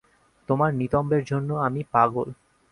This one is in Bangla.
তোমার নিতম্বের জন্য আমি পাগল।